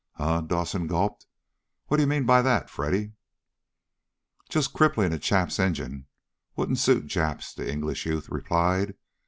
"Huh?" Dawson gulped. "What do you mean by that, Freddy?" "Just crippling a chap's engine wouldn't suit Japs," the English youth replied.